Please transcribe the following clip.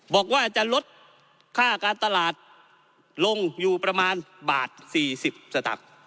บอกว่าจะลดค่าการตลาดลงอยู่ประมาณบาทสี่สิบสตางค์